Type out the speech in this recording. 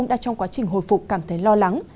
đang trong quá trình hồi phục cảm thấy lo lắng